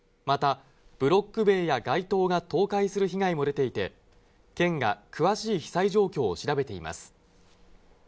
また、ブロック塀や街灯が倒壊する被害も出ていて、県が詳しい被災状況を調べています。